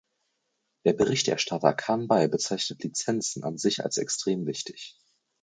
Der Berichterstatter Khanbhai bezeichnet Lizenzen an sich als extrem wichtig.